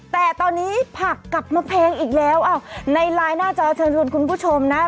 แต่ตอนนี้ผักกลับมาแพงอีกแล้วอ้าวในไลน์หน้าจอเชิญชวนคุณผู้ชมนะ